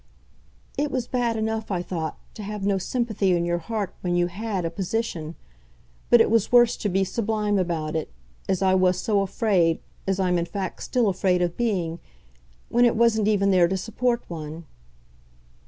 "It was bad enough, I thought, to have no sympathy in your heart when you HAD a position. But it was worse to be sublime about it as I was so afraid, as I'm in fact still afraid of being when it wasn't even there to support one."